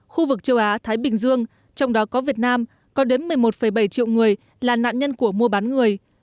khu vực châu á thái bình dương trong đó có việt nam có đến một mươi một bảy triệu người là nạn nhân của mua bán người